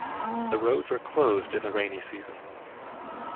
The roads are closed in the rainy season.